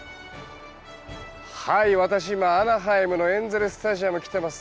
私、アナハイムのエンゼル・スタジアム来てます。